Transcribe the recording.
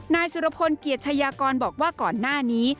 นายสุรพลเกียรติชายากรบอกว่าก่อนหน้านี้